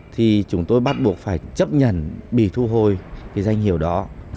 thì chúng tôi bắt buộc phải chấp nhận bị thu hồi cái danh hiệu đó